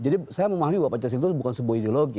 jadi saya memahami bahwa pancasila itu bukan sebuah ideologi